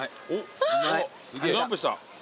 ジャンプした。